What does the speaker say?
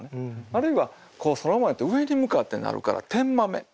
あるいはそら豆って上に向かってなるから天豆。